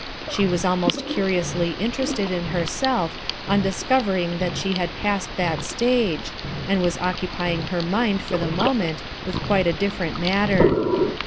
She was almost curiously interested in herself on discovering that she had passed that stage, and was occupying her mind for the moment with quite a different matter.